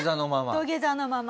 土下座のまま。